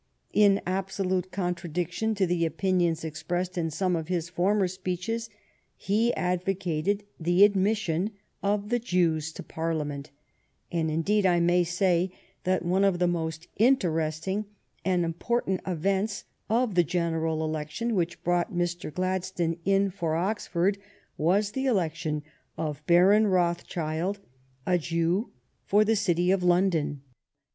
In absolute contradiction to the opinions expressed in some of his former speeches, he advo cated the admission of the Jews to Parliament; and, indeed, I may say that one of the most inter esting and important events of the general election which brought Mr. Gladstone in for Oxford was the election of Baron Rothschild, a Jew, for the City of London.